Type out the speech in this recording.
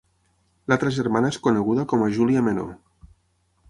L'altra germana és coneguda com a Júlia Menor.